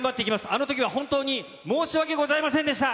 あのときは本当に申し訳ございませんでした。